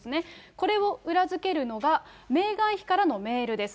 これを裏付けるのが、メーガン妃からのメールです。